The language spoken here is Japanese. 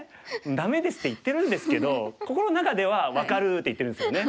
「ダメです」って言ってるんですけど心の中では「分かる！」って言ってるんですよね。